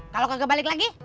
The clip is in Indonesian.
kalau kagak balik lagi